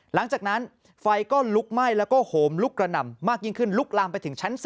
หลังจากนั้นไฟก็ลุกไหม้แล้วก็โหมลุกกระหน่ำมากยิ่งขึ้นลุกลามไปถึงชั้น๔